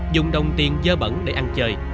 dùng đồng tiền dơ bẩn để ăn chơi